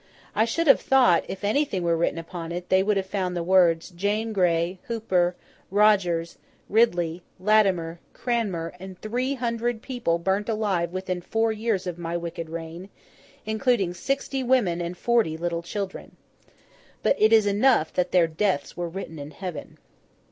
I should have thought, if anything were written on it, they would have found the words—Jane Grey, Hooper, Rogers, Ridley, Latimer, Cranmer, and three hundred people burnt alive within four years of my wicked reign, including sixty women and forty little children. But it is enough that their deaths were written in Heaven.